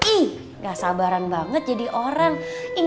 ih gak sabaran banget jadi orang